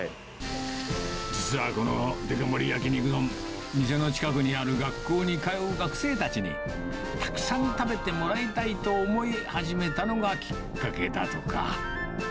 実はこのデカ盛り焼肉丼、店の近くにある学校に通う学生たちに、たくさん食べてもらいたいと思い始めたのがきっかけだとか。